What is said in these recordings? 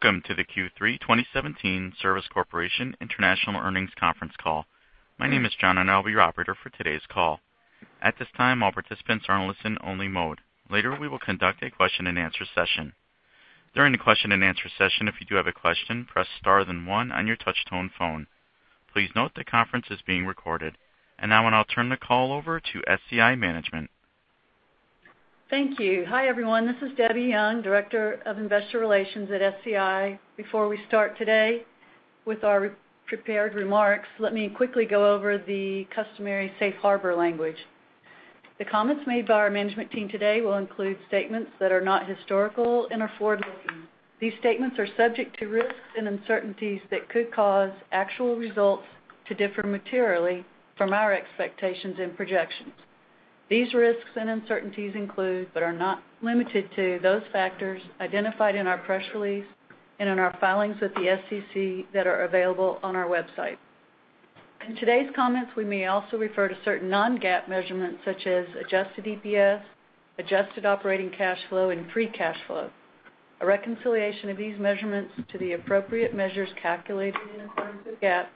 Welcome to the Q3 2017 Service Corporation International Earnings Conference Call. My name is John, and I'll be your operator for today's call. At this time, all participants are in listen only mode. Later, we will conduct a question and answer session. During the question and answer session, if you do have a question, press star then one on your touch-tone phone. Please note that conference is being recorded. Now I'll turn the call over to SCI management. Thank you. Hi, everyone. This is Debbie Young, Director of Investor Relations at SCI. Before we start today with our prepared remarks, let me quickly go over the customary safe harbor language. The comments made by our management team today will include statements that are not historical and are forward-looking. These statements are subject to risks and uncertainties that could cause actual results to differ materially from our expectations and projections. These risks and uncertainties include, but are not limited to, those factors identified in our press release and in our filings with the SEC that are available on our website. In today's comments, we may also refer to certain non-GAAP measurements such as adjusted EPS, adjusted operating cash flow, and free cash flow. A reconciliation of these measurements to the appropriate measures calculated in accordance with GAAP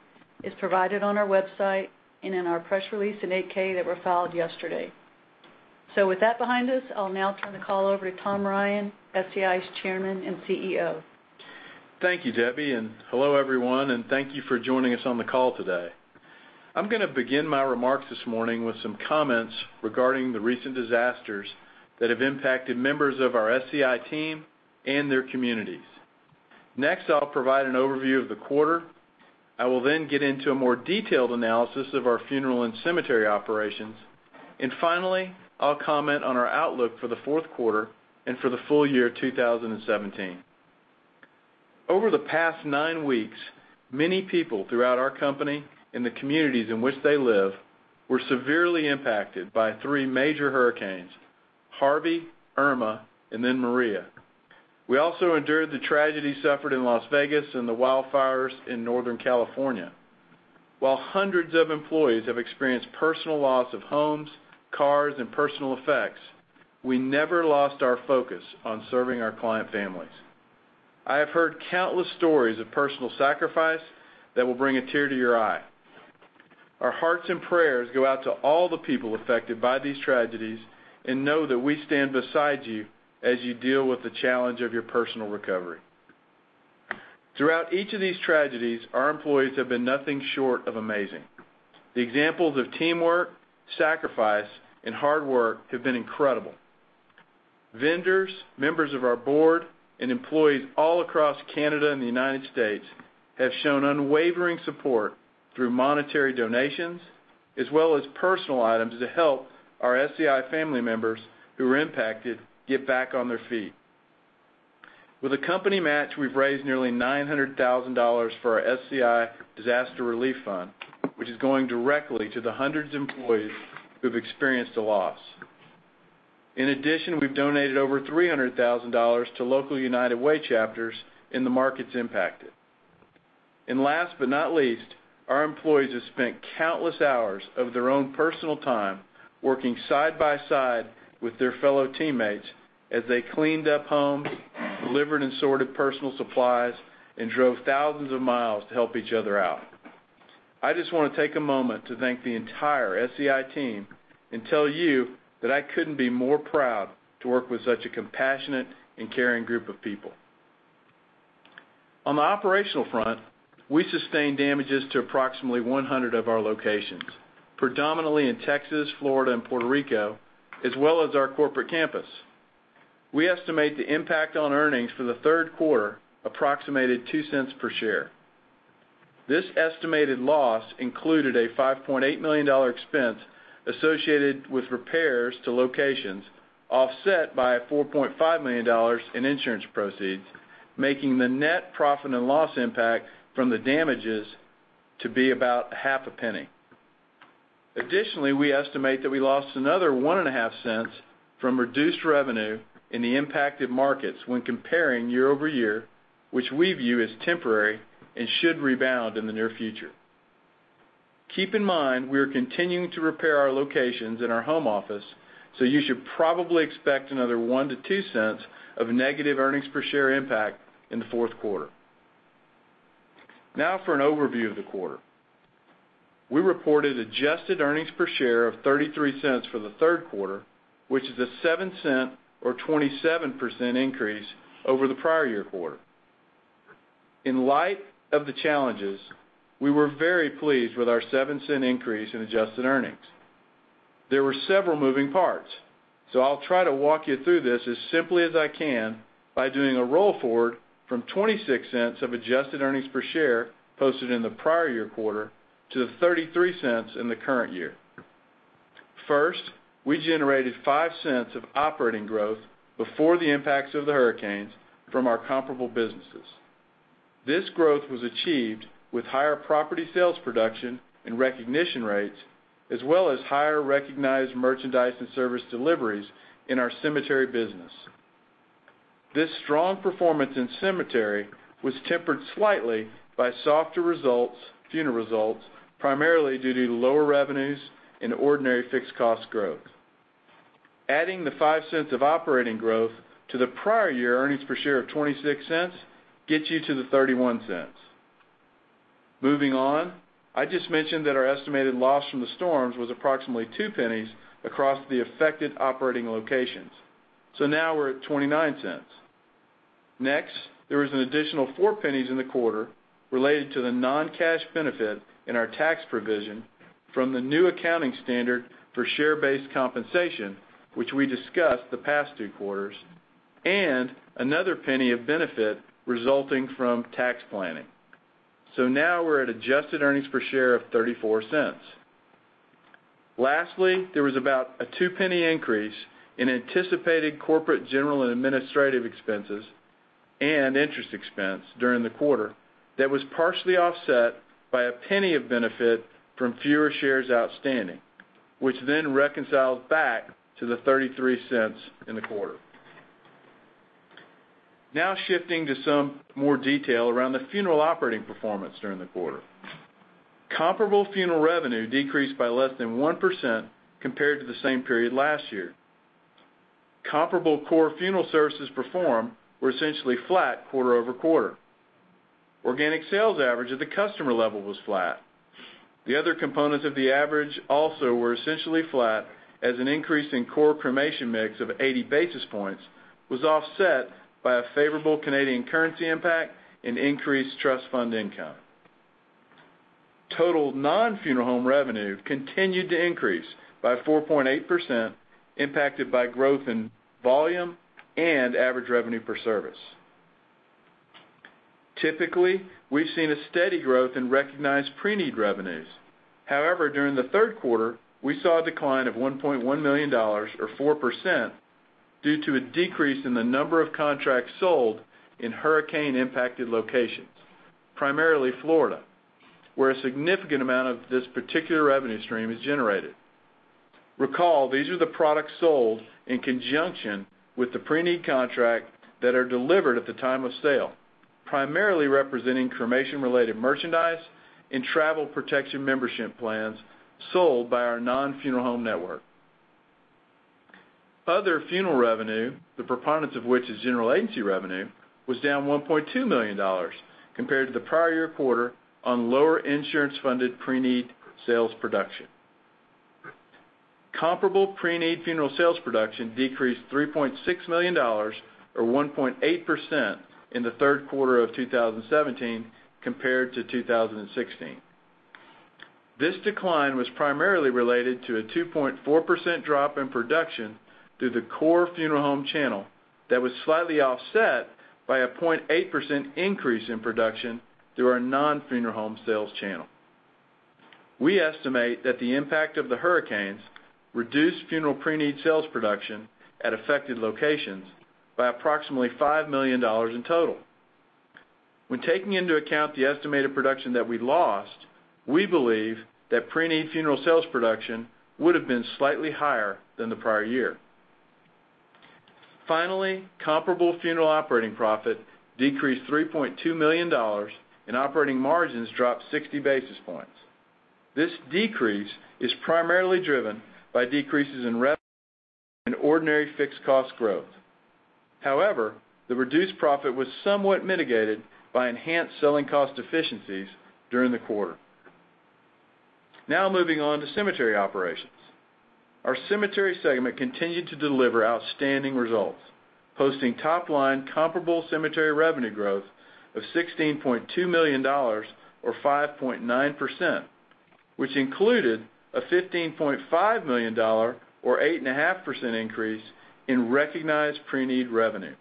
is provided on our website and in our press release in 8-K that were filed yesterday. With that behind us, I'll now turn the call over to Tom Ryan, SCI's Chairman and CEO. Thank you, Debbie, hello, everyone, thank you for joining us on the call today. I'm going to begin my remarks this morning with some comments regarding the recent disasters that have impacted members of our SCI team and their communities. Next, I'll provide an overview of the quarter. I will then get into a more detailed analysis of our funeral and cemetery operations. Finally, I'll comment on our outlook for the fourth quarter and for the full year 2017. Over the past nine weeks, many people throughout our company and the communities in which they live were severely impacted by three major hurricanes, Harvey, Irma, and then Maria. We also endured the tragedy suffered in Las Vegas and the wildfires in Northern California. While hundreds of employees have experienced personal loss of homes, cars, and personal effects, we never lost our focus on serving our client families. I have heard countless stories of personal sacrifice that will bring a tear to your eye. Our hearts and prayers go out to all the people affected by these tragedies and know that we stand beside you as you deal with the challenge of your personal recovery. Throughout each of these tragedies, our employees have been nothing short of amazing. The examples of teamwork, sacrifice, and hard work have been incredible. Vendors, members of our board, and employees all across Canada and the U.S. have shown unwavering support through monetary donations as well as personal items to help our SCI family members who were impacted get back on their feet. With a company match, we've raised nearly $900,000 for our SCI Disaster Relief Fund, which is going directly to the hundreds of employees who've experienced a loss. In addition, we've donated over $300,000 to local United Way chapters in the markets impacted. Last but not least, our employees have spent countless hours of their own personal time working side by side with their fellow teammates as they cleaned up homes, delivered and sorted personal supplies, and drove thousands of miles to help each other out. I just want to take a moment to thank the entire SCI team and tell you that I couldn't be more proud to work with such a compassionate and caring group of people. On the operational front, we sustained damages to approximately 100 of our locations, predominantly in Texas, Florida, and Puerto Rico, as well as our corporate campus. We estimate the impact on earnings for the third quarter approximated $0.02 per share. This estimated loss included a $5.8 million expense associated with repairs to locations, offset by $4.5 million in insurance proceeds, making the net profit and loss impact from the damages to be about half a penny. Additionally, we estimate that we lost another $0.015 from reduced revenue in the impacted markets when comparing year-over-year, which we view as temporary and should rebound in the near future. Keep in mind, we are continuing to repair our locations in our home office, so you should probably expect another $0.01-$0.02 of negative earnings per share impact in the fourth quarter. For an overview of the quarter. We reported adjusted earnings per share of $0.33 for the third quarter, which is a $0.07 or 27% increase over the prior year quarter. In light of the challenges, we were very pleased with our $0.07 increase in adjusted earnings. There were several moving parts, so I'll try to walk you through this as simply as I can by doing a roll forward from $0.26 of adjusted earnings per share posted in the prior year quarter to the $0.33 in the current year. We generated $0.05 of operating growth before the impacts of the hurricanes from our comparable businesses. This growth was achieved with higher property sales production and recognition rates, as well as higher recognized merchandise and service deliveries in our cemetery business. This strong performance in cemetery was tempered slightly by softer results, funeral results, primarily due to lower revenues and ordinary fixed cost growth. Adding the $0.05 of operating growth to the prior year earnings per share of $0.26 gets you to the $0.31. Moving on, I just mentioned that our estimated loss from the storms was approximately $0.02 across the affected operating locations. Now we're at $0.29. Next, there was an additional $0.04 in the quarter related to the non-cash benefit in our tax provision from the new accounting standard for share-based compensation, which we discussed the past two quarters, and another $0.01 of benefit resulting from tax planning. Now we're at adjusted earnings per share of $0.34. Lastly, there was about a $0.02 increase in anticipated corporate general and administrative expenses and interest expense during the quarter that was partially offset by a $0.01 of benefit from fewer shares outstanding, which reconciles back to the $0.33 in the quarter. Shifting to some more detail around the funeral operating performance during the quarter. Comparable funeral revenue decreased by less than 1% compared to the same period last year. Comparable core funeral services performed were essentially flat quarter-over-quarter. Organic sales average at the customer level was flat. The other components of the average also were essentially flat as an increase in core cremation mix of 80 basis points was offset by a favorable Canadian currency impact and increased trust fund income. Total non-funeral home revenue continued to increase by 4.8%, impacted by growth in volume and average revenue per service. Typically, we've seen a steady growth in recognized preneed revenues. However, during the third quarter, we saw a decline of $1.1 million, or 4%, due to a decrease in the number of contracts sold in hurricane-impacted locations, primarily Florida, where a significant amount of this particular revenue stream is generated. Recall, these are the products sold in conjunction with the preneed contract that are delivered at the time of sale, primarily representing cremation-related merchandise and travel protection membership plans sold by our non-funeral home network. Other funeral revenue, the preponderance of which is general agency revenue, was down $1.2 million compared to the prior year quarter on lower insurance-funded preneed sales production. Comparable preneed funeral sales production decreased $3.6 million or 1.8% in the third quarter of 2017 compared to 2016. This decline was primarily related to a 2.4% drop in production through the core funeral home channel that was slightly offset by a 0.8% increase in production through our non-funeral home sales channel. We estimate that the impact of the hurricanes reduced funeral preneed sales production at affected locations by approximately $5 million in total. When taking into account the estimated production that we lost, we believe that preneed funeral sales production would've been slightly higher than the prior year. Finally, comparable funeral operating profit decreased $3.2 million, and operating margins dropped 60 basis points. This decrease is primarily driven by decreases in revenue and ordinary fixed cost growth. However, the reduced profit was somewhat mitigated by enhanced selling cost efficiencies during the quarter. Moving on to cemetery operations. Our cemetery segment continued to deliver outstanding results, posting top-line comparable cemetery revenue growth of $16.2 million, or 5.9%, which included a $15.5 million, or 8.5% increase in recognized preneed revenue.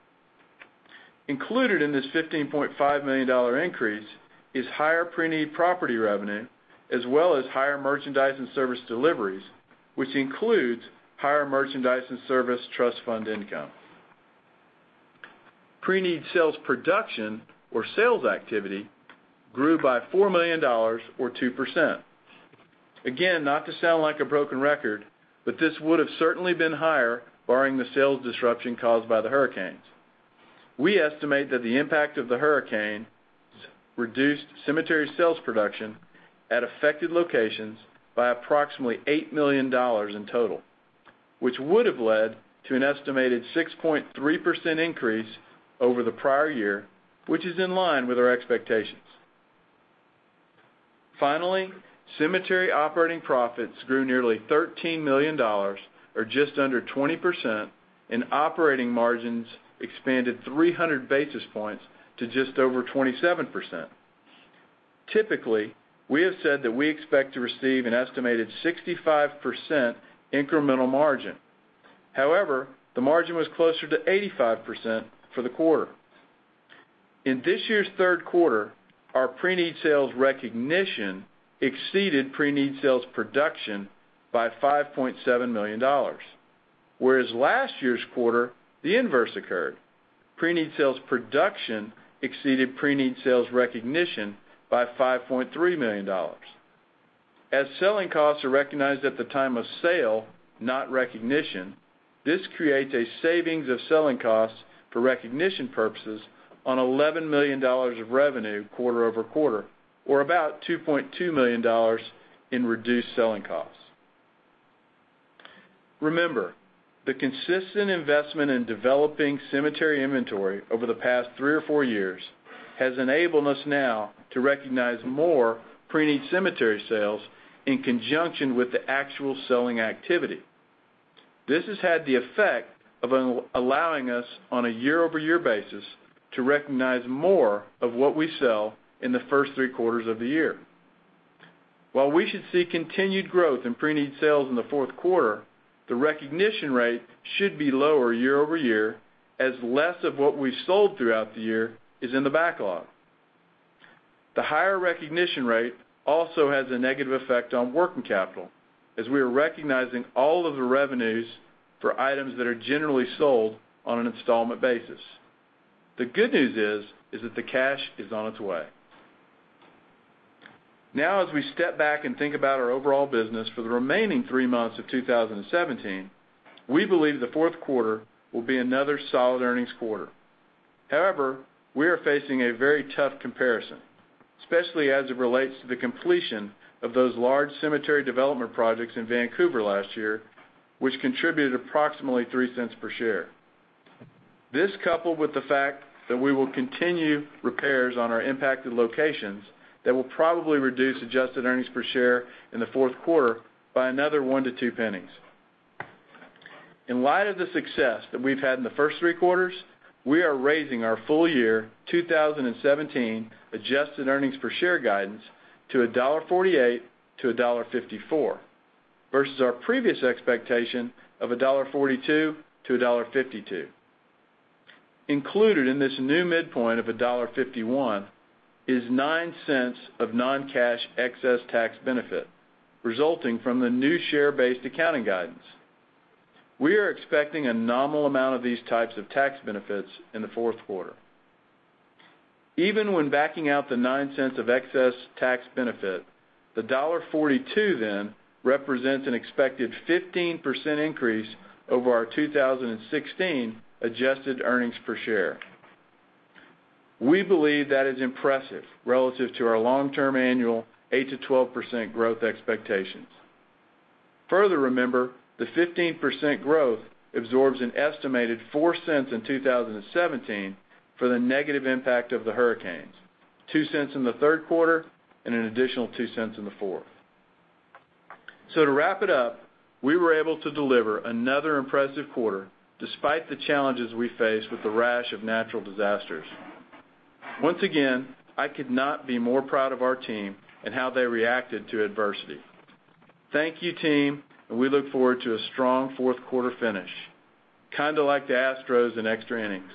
Included in this $15.5 million increase is higher preneed property revenue, as well as higher merchandise and service deliveries, which includes higher merchandise and service trust fund income. Preneed sales production or sales activity grew by $4 million or 2%. Again, not to sound like a broken record, this would've certainly been higher barring the sales disruption caused by the hurricanes. We estimate that the impact of the hurricane reduced cemetery sales production at affected locations by approximately $8 million in total, which would've led to an estimated 6.3% increase over the prior year, which is in line with our expectations. Cemetery operating profits grew nearly $13 million, or just under 20%, and operating margins expanded 300 basis points to just over 27%. Typically, we have said that we expect to receive an estimated 65% incremental margin. The margin was closer to 85% for the quarter. In this year's third quarter, our preneed sales recognition exceeded preneed sales production by $5.7 million, whereas last year's quarter, the inverse occurred. Preneed sales production exceeded preneed sales recognition by $5.3 million. Selling costs are recognized at the time of sale, not recognition, this creates a savings of selling costs for recognition purposes on $11 million of revenue quarter-over-quarter, or about $2.2 million in reduced selling costs. The consistent investment in developing cemetery inventory over the past three or four years has enabled us now to recognize more preneed cemetery sales in conjunction with the actual selling activity. This has had the effect of allowing us, on a year-over-year basis, to recognize more of what we sell in the first three quarters of the year. While we should see continued growth in preneed sales in the fourth quarter, the recognition rate should be lower year-over-year, as less of what we sold throughout the year is in the backlog. The higher recognition rate also has a negative effect on working capital, as we are recognizing all of the revenues for items that are generally sold on an installment basis. The good news is that the cash is on its way. As we step back and think about our overall business for the remaining three months of 2017, we believe the fourth quarter will be another solid earnings quarter. We are facing a very tough comparison, especially as it relates to the completion of those large cemetery development projects in Vancouver last year, which contributed approximately $0.03 per share. This, coupled with the fact that we will continue repairs on our impacted locations, that will probably reduce adjusted earnings per share in the fourth quarter by another $0.01-$0.02. In light of the success that we've had in the first three quarters, we are raising our full year 2017 adjusted earnings per share guidance to $1.48-$1.54, versus our previous expectation of $1.42-$1.52. Included in this new midpoint of $1.51 is $0.09 of non-cash excess tax benefit, resulting from the new share-based accounting guidance. We are expecting a nominal amount of these types of tax benefits in the fourth quarter. Even when backing out the $0.09 of excess tax benefit, the $1.42 then represents an expected 15% increase over our 2016 adjusted earnings per share. We believe that is impressive relative to our long-term annual 8%-12% growth expectations. Further, remember, the 15% growth absorbs an estimated $0.04 in 2017 for the negative impact of the hurricanes, $0.02 in the third quarter, and an additional $0.02 in the fourth. To wrap it up, we were able to deliver another impressive quarter despite the challenges we faced with the rash of natural disasters. Once again, I could not be more proud of our team and how they reacted to adversity. Thank you, team, and we look forward to a strong fourth quarter finish. Kind of like the Astros in extra innings.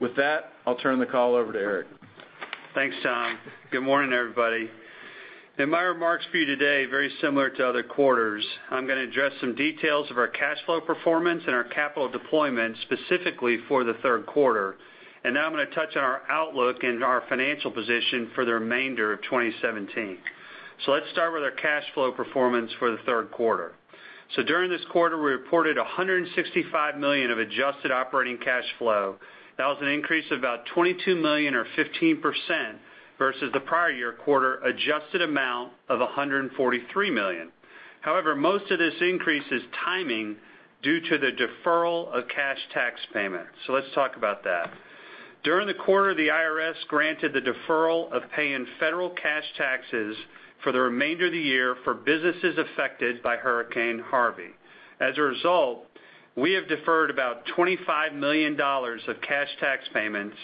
With that, I'll turn the call over to Eric. Thanks, Tom. Good morning, everybody. In my remarks for you today, very similar to other quarters, I'm going to address some details of our cash flow performance and our capital deployment specifically for the third quarter. Then I'm going to touch on our outlook and our financial position for the remainder of 2017. Let's start with our cash flow performance for the third quarter. During this quarter, we reported $165 million of adjusted operating cash flow. That was an increase of about $22 million or 15% versus the prior year quarter adjusted amount of $143 million. However, most of this increase is timing due to the deferral of cash tax payment. Let's talk about that. During the quarter, the IRS granted the deferral of paying federal cash taxes for the remainder of the year for businesses affected by Hurricane Harvey. As a result, we have deferred about $25 million of cash tax payments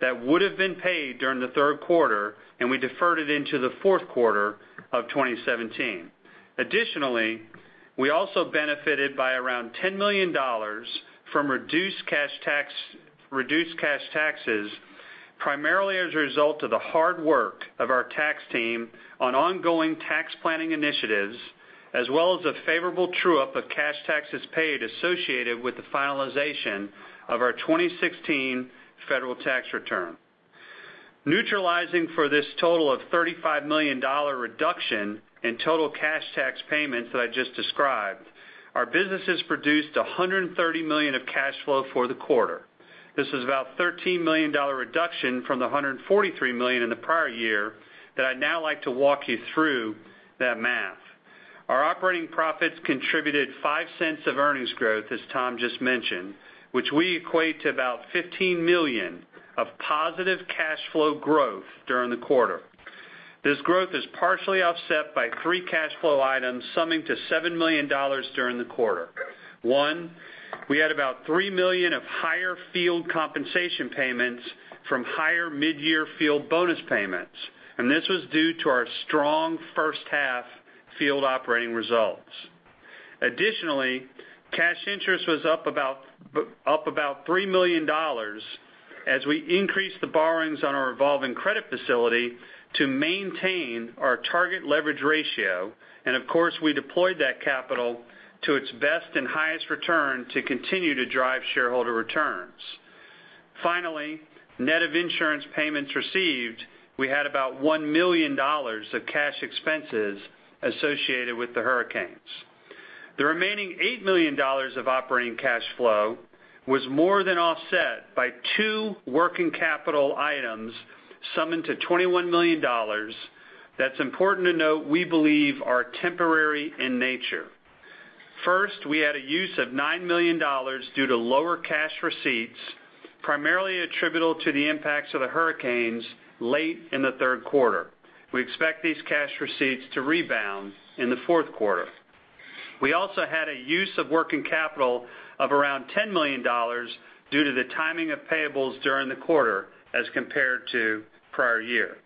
that would've been paid during the third quarter, and we deferred it into the fourth quarter of 2017. Additionally, we also benefited by around $10 million from reduced cash taxes primarily as a result of the hard work of our tax team on ongoing tax planning initiatives as well as a favorable true-up of cash taxes paid associated with the finalization of our 2016 federal tax return. Neutralizing for this total of $35 million reduction in total cash tax payments that I just described, our businesses produced $130 million of cash flow for the quarter. This is about $13 million reduction from the $143 million in the prior year that I'd now like to walk you through that math. Our operating profits contributed $0.05 of earnings growth, as Tom just mentioned, which we equate to about $15 million of positive cash flow growth during the quarter. This growth is partially offset by three cash flow items summing to $7 million during the quarter. One, we had about $3 million of higher field compensation payments from higher mid-year field bonus payments, and this was due to our strong first half field operating results. Additionally, cash interest was up about $3 million as we increased the borrowings on our revolving credit facility to maintain our target leverage ratio. Of course, we deployed that capital to its best and highest return to continue to drive shareholder returns. Finally, net of insurance payments received, we had about $1 million of cash expenses associated with the hurricanes. The remaining $8 million of operating cash flow was more than offset by two working capital items, summed to $21 million, that's important to note, we believe are temporary in nature. First, we had a use of $9 million due to lower cash receipts, primarily attributable to the impacts of the Hurricanes late in the third quarter. We expect these cash receipts to rebound in the fourth quarter. We also had a use of working capital of around $10 million due to the timing of payables during the quarter as compared to prior year.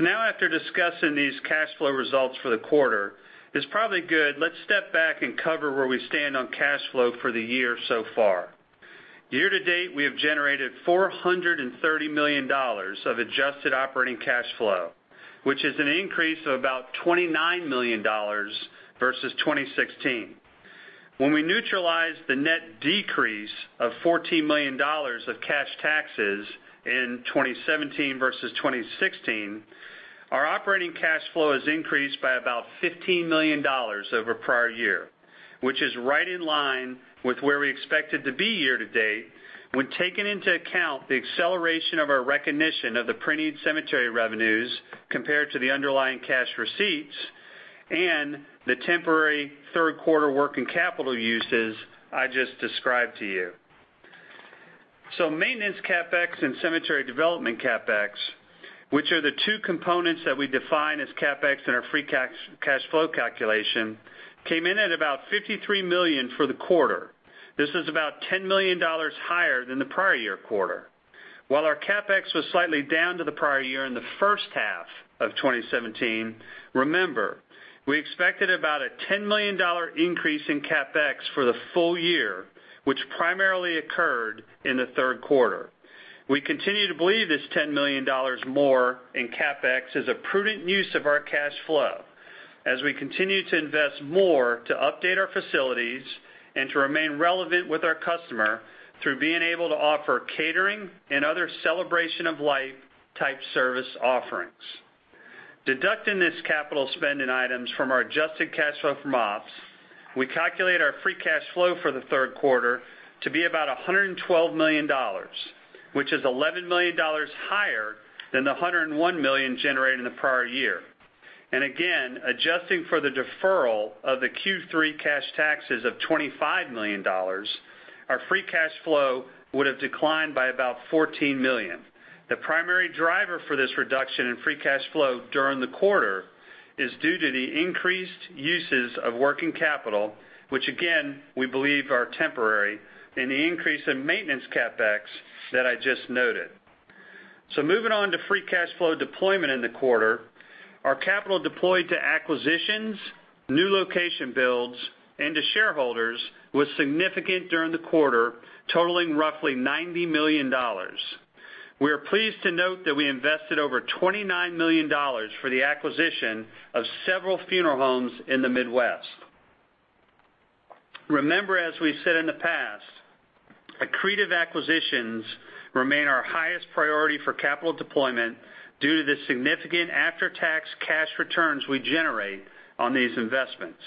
After discussing these cash flow results for the quarter, it's probably good. Let's step back and cover where we stand on cash flow for the year so far. Year to date, we have generated $430 million of adjusted operating cash flow, which is an increase of about $229 million versus 2016. When we neutralize the net decrease of $14 million of cash taxes in 2017 versus 2016, our operating cash flow has increased by about $15 million over prior year, which is right in line with where we expected to be year to date, when taking into account the acceleration of our recognition of the preneed cemetery revenues compared to the underlying cash receipts and the temporary third quarter working capital uses I just described to you. Maintenance CapEx and cemetery development CapEx, which are the two components that we define as CapEx in our free cash flow calculation, came in at about $53 million for the quarter. This is about $10 million higher than the prior year quarter. While our CapEx was slightly down to the prior year in the first half of 2017, remember, we expected about a $10 million increase in CapEx for the full year, which primarily occurred in the third quarter. We continue to believe this $10 million more in CapEx is a prudent use of our cash flow as we continue to invest more to update our facilities and to remain relevant with our customer through being able to offer catering and other celebration of life type service offerings. Deducting these capital spending items from our adjusted cash flow from ops, we calculate our free cash flow for the third quarter to be about $112 million, which is $11 million higher than the $101 million generated in the prior year. Again, adjusting for the deferral of the Q3 cash taxes of $25 million, our free cash flow would have declined by about $14 million. The primary driver for this reduction in free cash flow during the quarter is due to the increased uses of working capital, which again, we believe are temporary, and the increase in maintenance CapEx that I just noted. Moving on to free cash flow deployment in the quarter, our capital deployed to acquisitions, new location builds, and to shareholders was significant during the quarter, totaling roughly $90 million. We are pleased to note that we invested over $29 million for the acquisition of several funeral homes in the Midwest. Remember, as we've said in the past, accretive acquisitions remain our highest priority for capital deployment due to the significant after-tax cash returns we generate on these investments.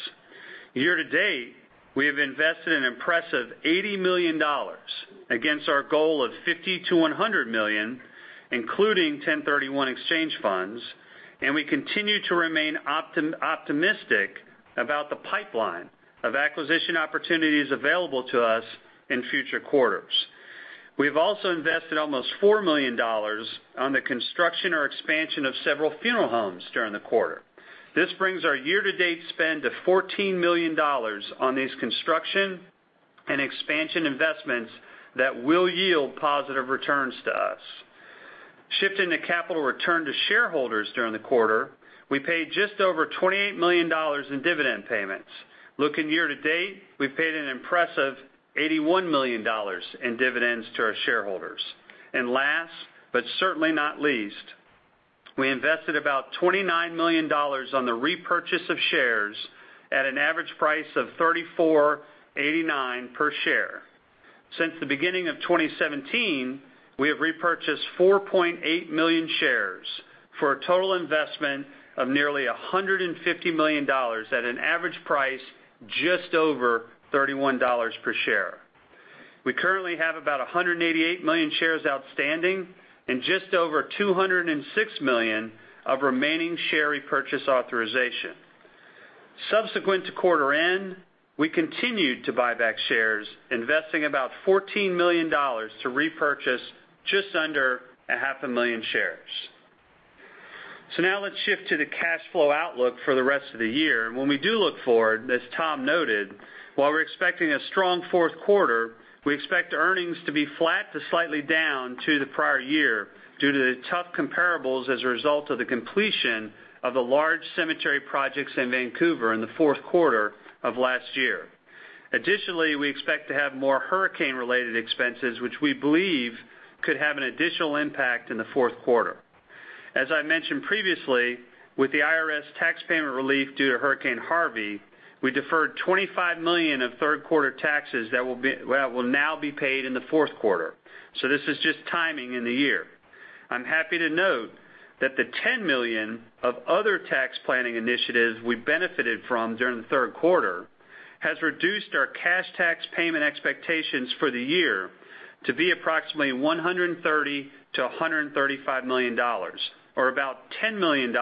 Year to date, we have invested an impressive $80 million against our goal of $50 million-$100 million, including 1031 exchange funds, we continue to remain optimistic about the pipeline of acquisition opportunities available to us in future quarters. We've also invested almost $4 million on the construction or expansion of several funeral homes during the quarter. This brings our year-to-date spend to $14 million on these construction and expansion investments that will yield positive returns to us. Shifting to capital return to shareholders during the quarter, we paid just over $28 million in dividend payments. Looking year to date, we've paid an impressive $81 million in dividends to our shareholders. Last, but certainly not least, we invested about $29 million on the repurchase of shares at an average price of $34.89 per share. Since the beginning of 2017, we have repurchased 4.8 million shares for a total investment of nearly $150 million at an average price just over $31 per share. We currently have about 188 million shares outstanding and just over 206 million of remaining share repurchase authorization. Subsequent to quarter end, we continued to buy back shares, investing about $14 million to repurchase just under a half a million shares. Now let's shift to the cash flow outlook for the rest of the year. When we do look forward, as Tom noted, while we're expecting a strong fourth quarter, we expect earnings to be flat to slightly down to the prior year due to the tough comparables as a result of the completion of the large cemetery projects in Vancouver in the fourth quarter of last year. Additionally, we expect to have more hurricane-related expenses, which we believe could have an additional impact in the fourth quarter. As I mentioned previously, with the IRS tax payment relief due to Hurricane Harvey, we deferred $25 million of third-quarter taxes that will now be paid in the fourth quarter. This is just timing in the year. I'm happy to note that the $10 million of other tax planning initiatives we benefited from during the third quarter has reduced our cash tax payment expectations for the year to be approximately $130 million-$135 million, or about $10 million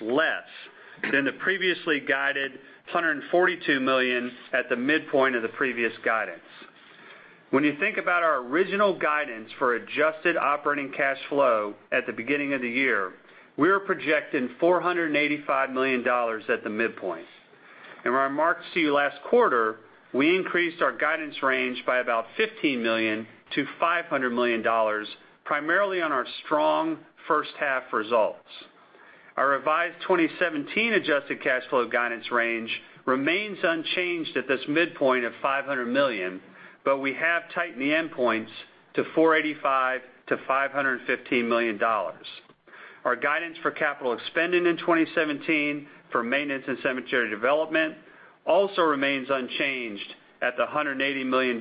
less than the previously guided $142 million at the midpoint of the previous guidance. When you think about our original guidance for adjusted operating cash flow at the beginning of the year, we were projecting $485 million at the midpoint. In my remarks to you last quarter, we increased our guidance range by about $15 million to $500 million, primarily on our strong first half results. Our revised 2017 adjusted cash flow guidance range remains unchanged at this midpoint of $500 million, but we have tightened the endpoints to $485 million-$515 million. Our guidance for capital spending in 2017 for maintenance and cemetery development also remains unchanged at the $180 million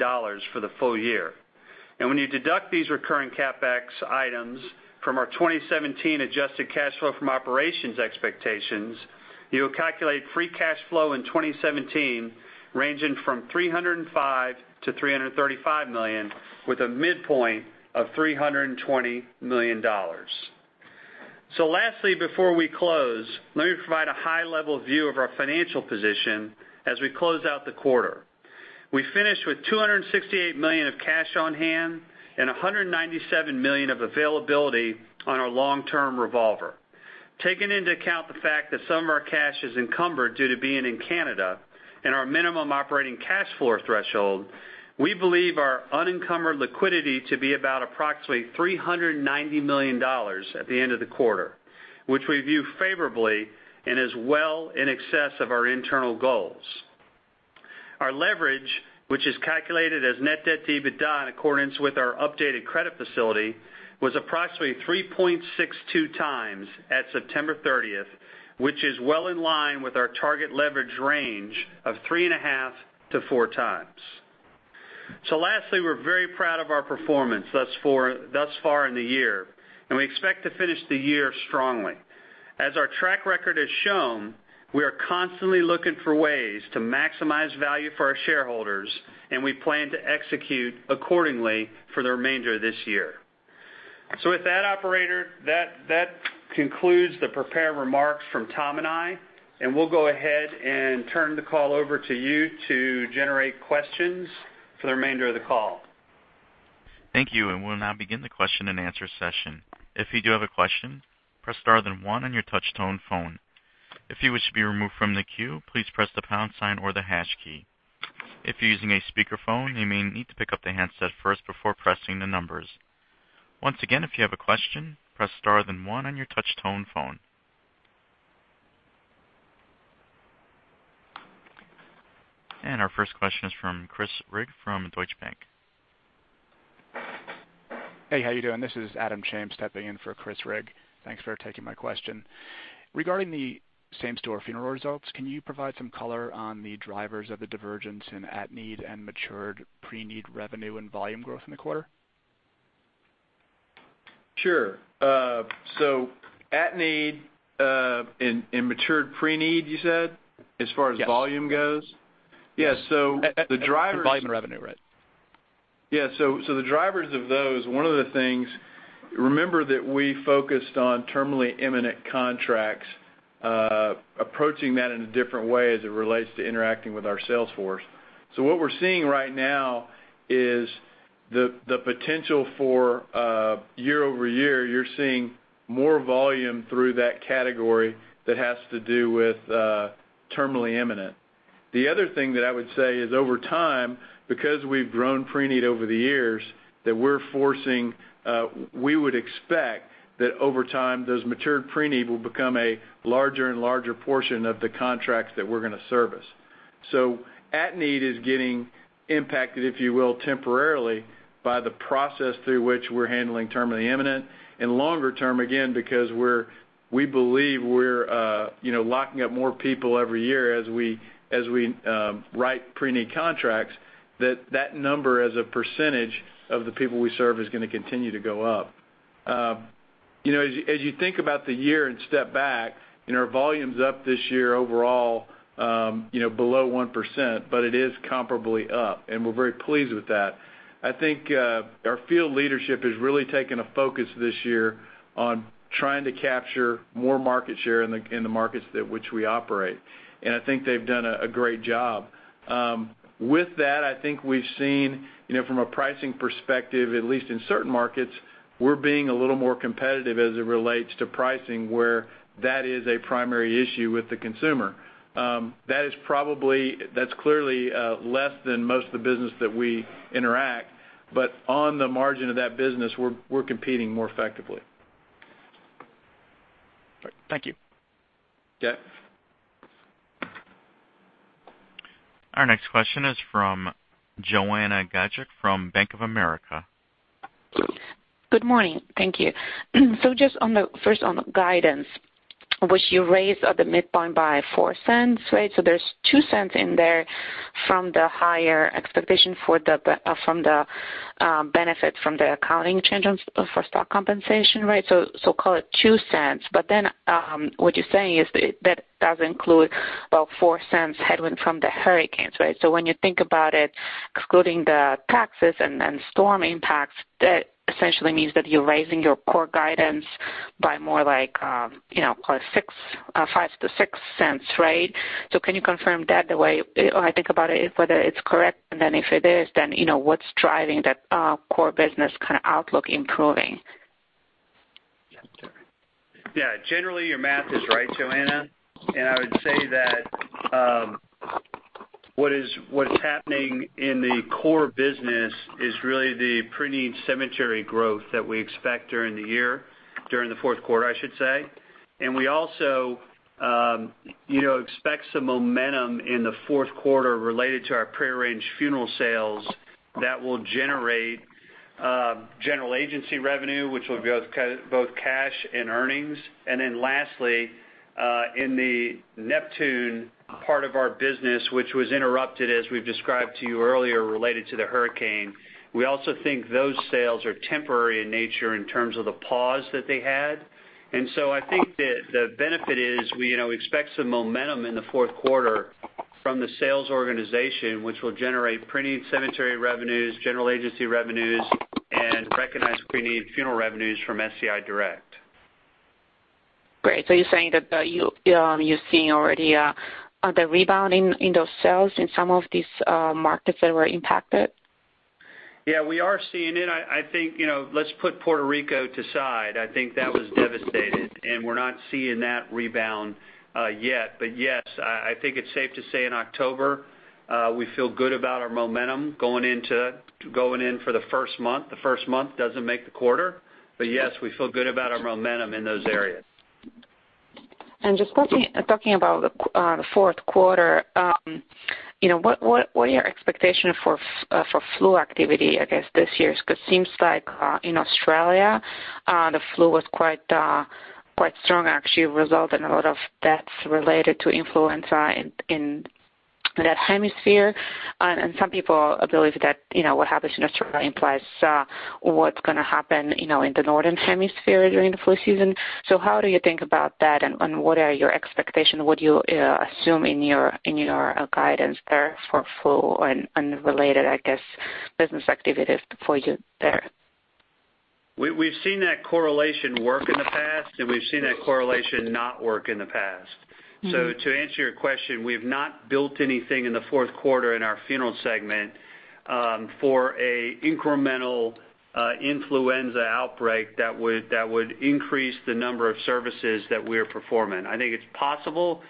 for the full year. When you deduct these recurring CapEx items from our 2017 adjusted cash flow from operations expectations, you will calculate free cash flow in 2017 ranging from $305 million-$335 million, with a midpoint of $320 million. Lastly, before we close, let me provide a high-level view of our financial position as we close out the quarter. We finished with $268 million of cash on hand and $197 million of availability on our long-term revolver. Taking into account the fact that some of our cash is encumbered due to being in Canada and our minimum operating cash flow threshold, we believe our unencumbered liquidity to be approximately $390 million at the end of the quarter, which we view favorably and is well in excess of our internal goals. Our leverage, which is calculated as net debt-to-EBITDA in accordance with our updated credit facility, was approximately 3.62 times at September 30th, which is well in line with our target leverage range of three and a half to four times. Lastly, we're very proud of our performance thus far in the year, and we expect to finish the year strongly. As our track record has shown, we are constantly looking for ways to maximize value for our shareholders, and we plan to execute accordingly for the remainder of this year. With that, operator, that concludes the prepared remarks from Tom and I, and we'll go ahead and turn the call over to you to generate questions for the remainder of the call. Thank you. We'll now begin the question and answer session. If you do have a question, press star then one on your touch-tone phone. If you wish to be removed from the queue, please press the pound sign or the hash key. If you're using a speakerphone, you may need to pick up the handset first before pressing the numbers. Once again, if you have a question, press star then one on your touch-tone phone. Our first question is from Chris Rigg from Deutsche Bank. Hey, how you doing? This is Adam Chames stepping in for Chris Rigg. Thanks for taking my question. Regarding the same-store funeral results, can you provide some color on the drivers of the divergence in at-need and matured preneed revenue and volume growth in the quarter? Sure. at-need and matured pre-need, you said, as far as- Yes volume goes? Yes. Yeah. the drivers- Volume and revenue, right. Yeah. The drivers of those, one of the things, remember that we focused on terminally imminent contracts, approaching that in a different way as it relates to interacting with our sales force. What we're seeing right now is the potential for year-over-year, you're seeing more volume through that category that has to do with terminally imminent. The other thing that I would say is over time, because we've grown preneed over the years, we would expect that over time, those matured preneed will become a larger and larger portion of the contracts that we're going to service. At-need is getting impacted, if you will, temporarily by the process through which we're handling terminally imminent. Longer term, again, because we believe we're locking up more people every year as we write preneed contracts, that number as a percentage of the people we serve is going to continue to go up. As you think about the year and step back, our volume's up this year overall below 1%, but it is comparably up, and we're very pleased with that. I think our field leadership has really taken a focus this year on trying to capture more market share in the markets which we operate, and I think they've done a great job. With that, I think we've seen from a pricing perspective, at least in certain markets, we're being a little more competitive as it relates to pricing, where that is a primary issue with the consumer. That's clearly less than most of the business that we interact, but on the margin of that business, we're competing more effectively. Thank you. Yeah. Our next question is from Joanna Gajuk from Bank of America. Good morning. Thank you. Just first on the guidance, which you raised at the midpoint by $0.04, right? There's $0.02 in there from the higher expectation from the benefit from the accounting change for stock compensation, right? Call it $0.02. What you're saying is that does include about $0.04 headwind from the hurricanes, right? When you think about it, excluding the taxes and storm impacts, that essentially means that you're raising your core guidance by more like, call it $0.05-$0.06. Right? Can you confirm that the way I think about it, whether it's correct, if it is, what's driving that core business kind of outlook improving? Yeah. Generally, your math is right, Joanna, I would say that, what's happening in the core business is really the preneed cemetery growth that we expect during the year, during the fourth quarter, I should say. We also expect some momentum in the fourth quarter related to our pre-arranged funeral sales that will generate general agency revenue, which will be both cash and earnings. Lastly, in the Neptune part of our business, which was interrupted, as we've described to you earlier, related to the hurricane, we also think those sales are temporary in nature in terms of the pause that they had. I think that the benefit is we expect some momentum in the fourth quarter from the sales organization, which will generate preneed cemetery revenues, general agency revenues, and recognized preneed funeral revenues from SCI Direct. Great. You're saying that you're seeing already the rebound in those sales in some of these markets that were impacted? Yeah, we are seeing it. Let's put Puerto Rico aside. I think that was devastated, and we're not seeing that rebound yet. Yes, I think it's safe to say in October, we feel good about our momentum going in for the first month. The first month doesn't make the quarter. Yes, we feel good about our momentum in those areas. Just talking about the fourth quarter, what are your expectation for flu activity, I guess, this year? Because it seems like in Australia, the flu was quite strong, actually result in a lot of deaths related to influenza in that hemisphere. Some people believe that what happens in Australia implies what's going to happen in the northern hemisphere during the flu season. How do you think about that, and what are your expectation? What do you assume in your guidance there for flu and related, I guess, business activities for you there? We've seen that correlation work in the past, and we've seen that correlation not work in the past. To answer your question, we've not built anything in the fourth quarter in our funeral segment for a incremental influenza outbreak that would increase the number of services that we're performing. I think it's possible,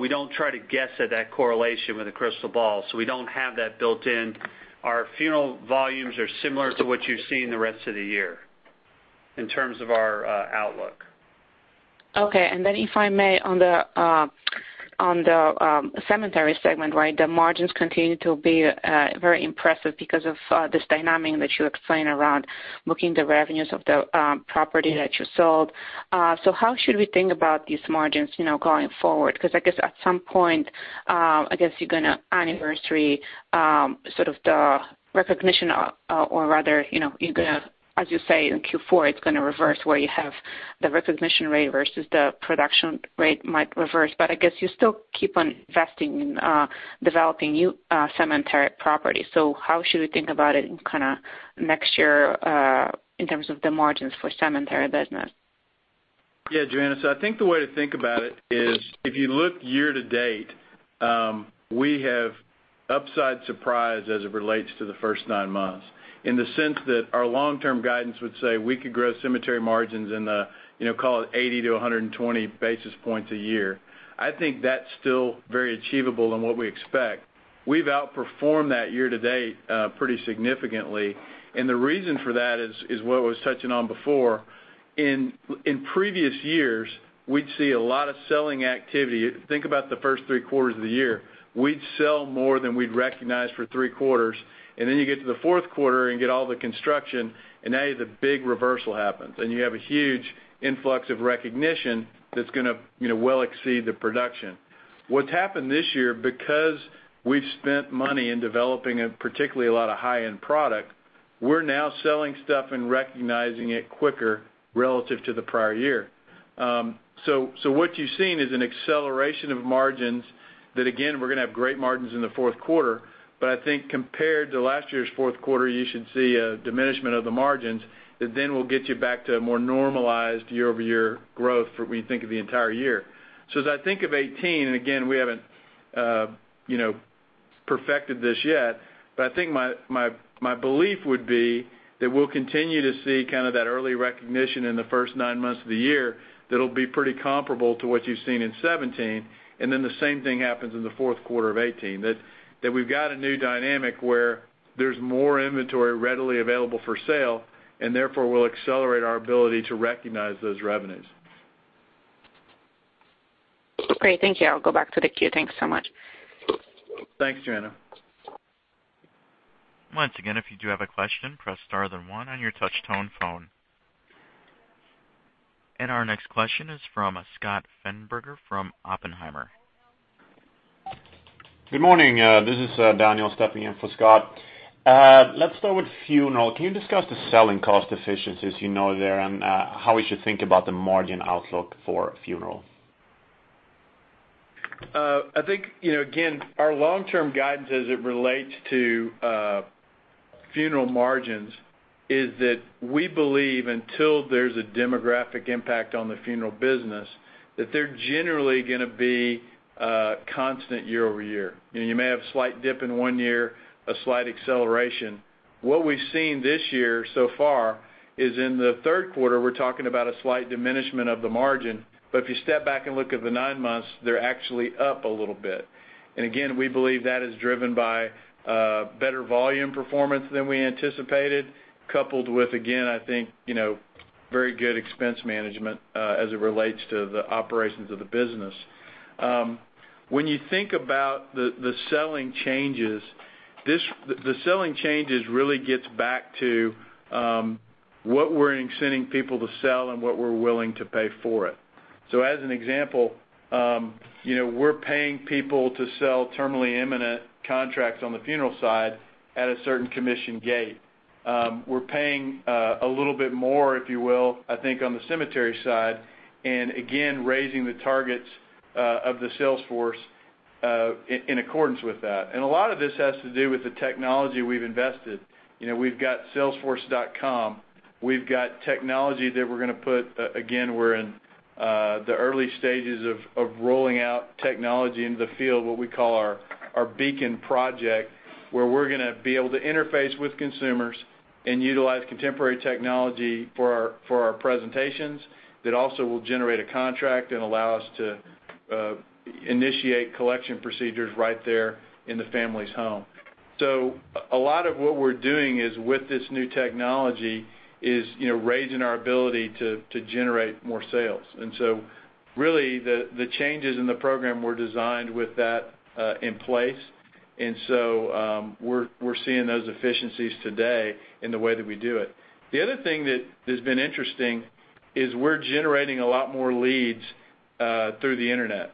We don't try to guess at that correlation with a crystal ball. We don't have that built in. Our funeral volumes are similar to what you've seen the rest of the year in terms of our outlook. Okay. If I may, on the cemetery segment, right, the margins continue to be very impressive because of this dynamic that you explained around booking the revenues of the property that you sold. How should we think about these margins going forward? I guess at some point, I guess you're going to anniversary sort of the recognition, or rather, you're going to, as you say, in Q4, it's going to reverse where you have the recognition rate versus the production rate might reverse. I guess you still keep on investing in developing new cemetery property. How should we think about it in kind of next year, in terms of the margins for cemetery business? Yeah, Joanna, I think the way to think about it is if you look year-to-date, we have upside surprise as it relates to the first nine months, in the sense that our long-term guidance would say we could grow cemetery margins in the, call it, 80 to 120 basis points a year. I think that's still very achievable in what we expect. We've outperformed that year-to-date pretty significantly, and the reason for that is what I was touching on before. In previous years, we'd see a lot of selling activity. Think about the first three quarters of the year. We'd sell more than we'd recognize for three quarters, and then you get to the fourth quarter and get all the construction, and now you have the big reversal happens, and you have a huge influx of recognition that's going to well exceed the production. What's happened this year, because we've spent money in developing particularly a lot of high-end product, we're now selling stuff and recognizing it quicker relative to the prior year. What you've seen is an acceleration of margins that, again, we're going to have great margins in the fourth quarter, but I think compared to last year's fourth quarter, you should see a diminishment of the margins that then will get you back to a more normalized year-over-year growth for when you think of the entire year. As I think of 2018, and again, we haven't perfected this yet, but I think my belief would be that we'll continue to see kind of that early recognition in the first nine months of the year that'll be pretty comparable to what you've seen in 2017. The same thing happens in the fourth quarter of 2018, that we've got a new dynamic where there's more inventory readily available for sale, and therefore, we'll accelerate our ability to recognize those revenues. Great. Thank you. I'll go back to the queue. Thanks so much. Thanks, Joanna. Once again, if you do have a question, press star, then one on your touch-tone phone. Our next question is from Scott Schneeberger from Oppenheimer. Good morning. This is Daniel stepping in for Scott. Let's start with funeral. Can you discuss the selling cost efficiencies you know there, and how we should think about the margin outlook for funeral? I think, again, our long-term guidance as it relates to funeral margins is that we believe until there's a demographic impact on the funeral business, that they're generally going to be constant year-over-year. You may have a slight dip in one year, a slight acceleration. What we've seen this year so far is in the third quarter, we're talking about a slight diminishment of the margin, but if you step back and look at the nine months, they're actually up a little bit. Again, we believe that is driven by better volume performance than we anticipated, coupled with, again, I think, very good expense management as it relates to the operations of the business. When you think about the selling changes, the selling changes really gets back to what we're incenting people to sell and what we're willing to pay for it. As an example, we're paying people to sell terminally imminent contracts on the funeral side at a certain commission gate. We're paying a little bit more, if you will, I think, on the cemetery side, again, raising the targets of the sales force in accordance with that. A lot of this has to do with the technology we've invested. We've got salesforce.com. We've got technology that again, we're in the early stages of rolling out technology into the field, what we call our Beacon project, where we're going to be able to interface with consumers and utilize contemporary technology for our presentations that also will generate a contract and allow us to initiate collection procedures right there in the family's home. A lot of what we're doing with this new technology is raising our ability to generate more sales. Really, the changes in the program were designed with that in place. We're seeing those efficiencies today in the way that we do it. The other thing that has been interesting is we're generating a lot more leads through the Internet.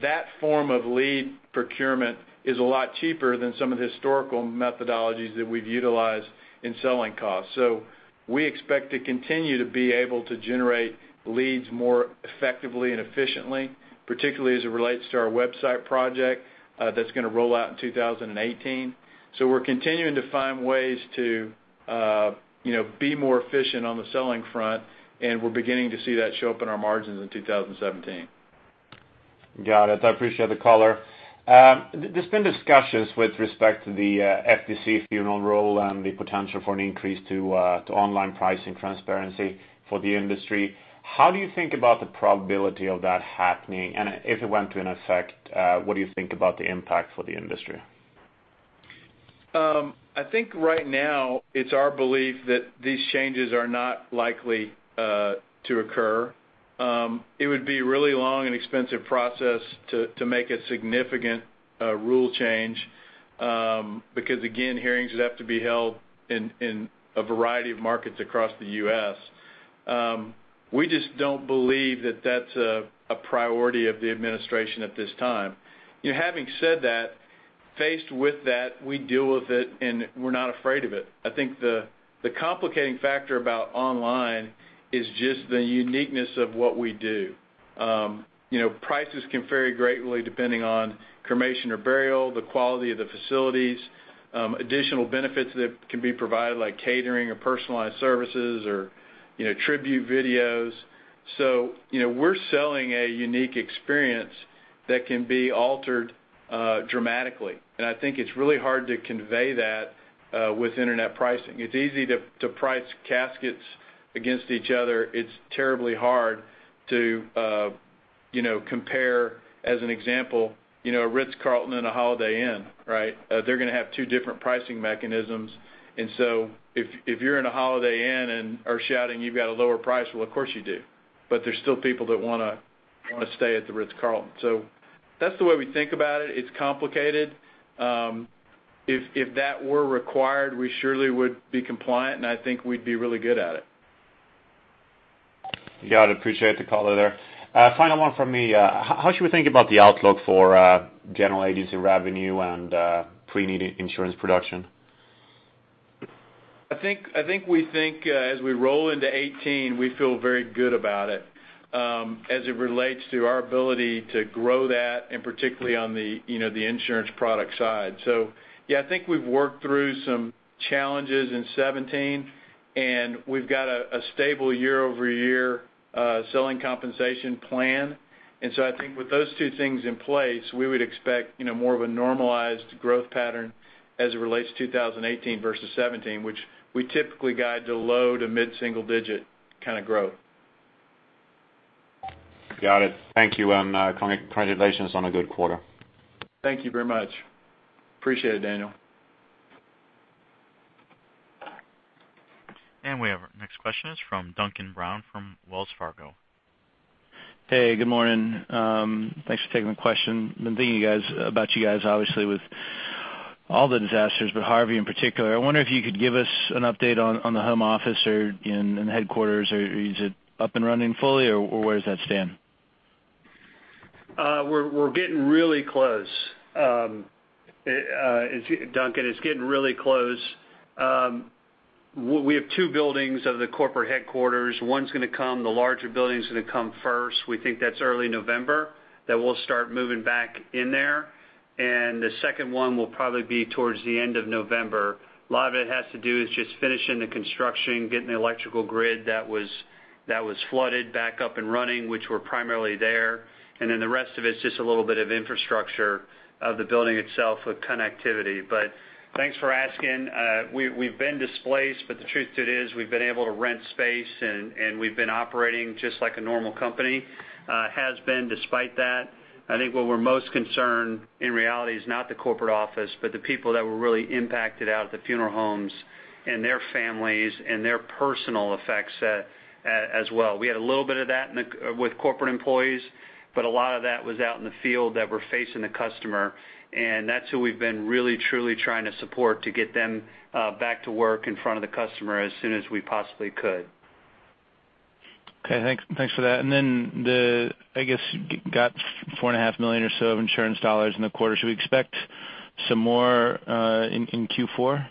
That form of lead procurement is a lot cheaper than some of the historical methodologies that we've utilized in selling costs. We expect to continue to be able to generate leads more effectively and efficiently, particularly as it relates to our website project that's going to roll out in 2018. We're continuing to find ways to be more efficient on the selling front, and we're beginning to see that show up in our margins in 2017. Got it. I appreciate the color. There's been discussions with respect to the FTC Funeral Rule and the potential for an increase to online pricing transparency for the industry. How do you think about the probability of that happening, and if it went to an effect, what do you think about the impact for the industry? I think right now, it's our belief that these changes are not likely to occur. It would be a really long and expensive process to make a significant rule change, because again, hearings would have to be held in a variety of markets across the U.S. We just don't believe that that's a priority of the administration at this time. Having said that, faced with that, we deal with it, and we're not afraid of it. I think the complicating factor about online is just the uniqueness of what we do. Prices can vary greatly depending on cremation or burial, the quality of the facilities, additional benefits that can be provided, like catering or personalized services or tribute videos. We're selling a unique experience that can be altered dramatically, and I think it's really hard to convey that with internet pricing. It's easy to price caskets against each other. It's terribly hard to compare, as an example, a Ritz-Carlton and a Holiday Inn, right? They're going to have two different pricing mechanisms. If you're in a Holiday Inn and are shouting you've got a lower price, well, of course you do, but there's still people that want to stay at the Ritz-Carlton. That's the way we think about it. It's complicated. If that were required, we surely would be compliant, and I think we'd be really good at it. Got it. Appreciate the color there. Final one from me. How should we think about the outlook for general agency revenue and preneed insurance production? I think we think, as we roll into 2018, we feel very good about it, as it relates to our ability to grow that, and particularly on the insurance product side. I think we've worked through some challenges in 2017, and we've got a stable year-over-year selling compensation plan. I think with those two things in place, we would expect more of a normalized growth pattern as it relates to 2018 versus 2017, which we typically guide to low to mid-single-digit kind of growth. Got it. Thank you. Congratulations on a good quarter. Thank you very much. Appreciate it, Daniel. We have our next question is from Duncan Brown from Wells Fargo. Hey, good morning. Thanks for taking the question. Been thinking about you guys, obviously with all the disasters, but Hurricane Harvey in particular. I wonder if you could give us an update on the home office or in headquarters, or is it up and running fully, or where does that stand? We're getting really close. Duncan, it's getting really close. We have two buildings of the corporate headquarters. One's going to come, the larger building's going to come first. We think that's early November that we'll start moving back in there, and the second one will probably be towards the end of November. A lot of it has to do with just finishing the construction, getting the electrical grid that was flooded back up and running, which were primarily there. Then the rest of it's just a little bit of infrastructure of the building itself with connectivity. Thanks for asking. We've been displaced, but the truth to it is we've been able to rent space and we've been operating just like a normal company has been despite that. I think what we're most concerned, in reality, is not the corporate office, but the people that were really impacted out at the funeral homes and their families and their personal effects as well. We had a little bit of that with corporate employees, but a lot of that was out in the field that were facing the customer, and that's who we've been really truly trying to support to get them back to work in front of the customer as soon as we possibly could. Okay, thanks for that. Then the, I guess, got four and a half million or so of insurance dollars in the quarter. Should we expect some more in Q4?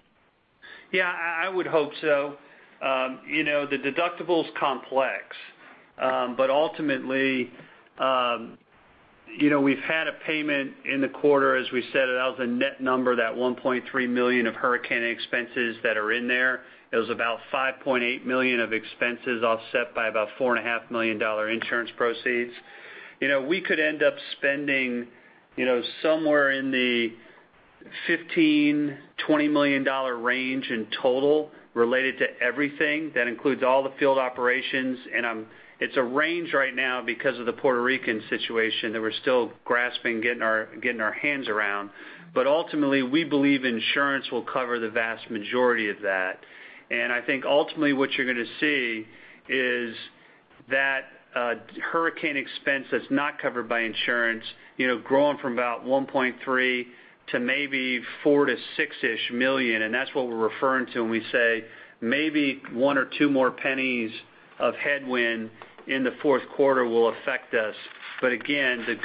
Yeah, I would hope so. The deductible's complex, but ultimately, we've had a payment in the quarter, as we said, that was a net number, that $1.3 million of hurricane expenses that are in there. It was about $5.8 million of expenses offset by about four and a half million dollar insurance proceeds. We could end up spending somewhere in the $15 million-$20 million range in total related to everything. That includes all the field operations, and it's a range right now because of the Puerto Rican situation that we're still grasping, getting our hands around. Ultimately, we believe insurance will cover the vast majority of that. I think ultimately what you're going to see is that hurricane expense that's not covered by insurance growing from about $1.3 million to maybe $4 million-$6-ish million, and that's what we're referring to when we say maybe $0.01 or $0.02 more of headwind in the fourth quarter will affect us. Again, the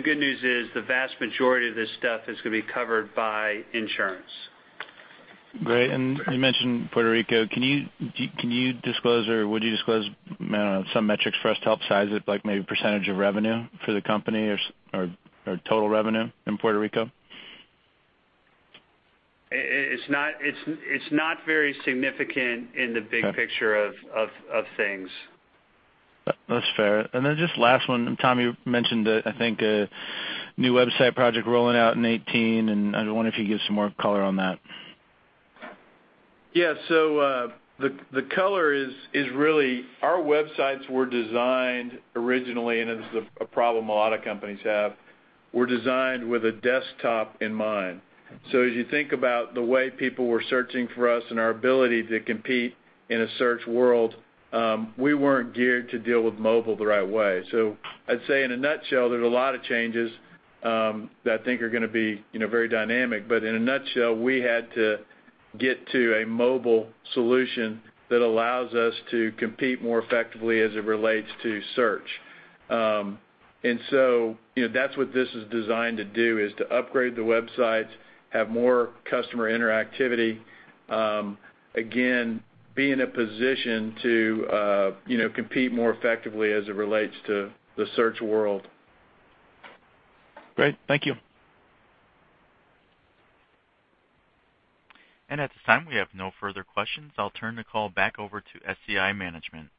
good news is the vast majority of this stuff is going to be covered by insurance. Great. You mentioned Puerto Rico. Can you disclose or would you disclose, I don't know, some metrics for us to help size it, like maybe % of revenue for the company or total revenue in Puerto Rico? It's not very significant in the big picture of things. That's fair. Then just last one, Tom, you mentioned, I think, a new website project rolling out in 2018. I was wondering if you could give some more color on that. The color is really our websites were designed originally, and this is a problem a lot of companies have, were designed with a desktop in mind. As you think about the way people were searching for us and our ability to compete in a search world, we weren't geared to deal with mobile the right way. I'd say in a nutshell, there's a lot of changes that I think are going to be very dynamic. In a nutshell, we had to get to a mobile solution that allows us to compete more effectively as it relates to search. That's what this is designed to do, is to upgrade the websites, have more customer interactivity. Again, be in a position to compete more effectively as it relates to the search world. Great. Thank you. At this time, we have no further questions. I'll turn the call back over to SCI management.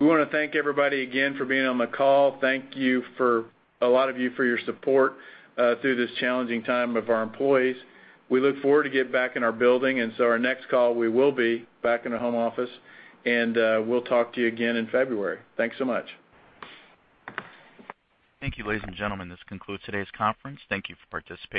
We want to thank everybody again for being on the call. Thank you for a lot of you for your support through this challenging time of our employees. We look forward to get back in our building. Our next call, we will be back in the home office, and we'll talk to you again in February. Thanks so much. Thank you, ladies and gentlemen. This concludes today's conference. Thank you for participating.